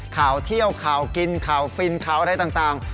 ข่าวเที่ยวข่าวกินข่าวฟินข่าวอะไรต่าง